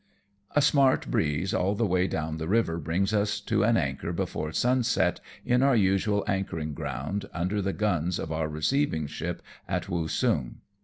A smart breeze all the way down the river brings us to an anchor before sunset in our usual anchoring ground^ under the guns of our receiving ship at Woosung.